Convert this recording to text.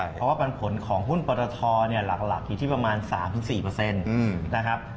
เพราะว่าปันผลของหุ้นปรทหลักอยู่ที่ประมาณ๓๔นะครับ